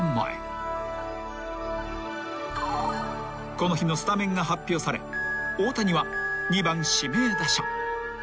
［この日のスタメンが発表され大谷は２番指名打者］